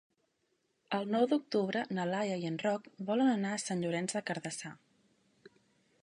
El nou d'octubre na Laia i en Roc volen anar a Sant Llorenç des Cardassar.